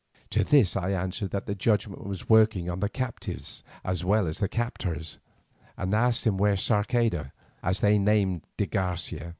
To this I answered that the judgment was working on the captives as well as on the captors, and asked him where was Sarceda, as they named de Garcia.